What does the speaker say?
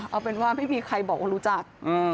เอาเป็นว่าไม่มีใครบอกว่ารู้จัก